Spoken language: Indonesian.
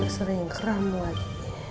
sering kram lagi